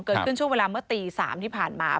ช่วงเวลาเมื่อตี๓ที่ผ่านมา